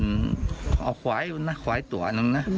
ด้วยขวายขวายตัวนึงนะ